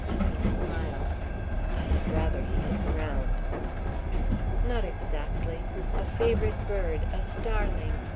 He smiled; I had rather he had frowned. "Not exactly. A favorite bird, a starling.